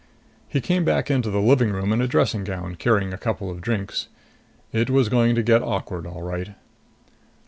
He came back into the living room in a dressing gown, carrying a couple of drinks. It was going to get awkward, all right.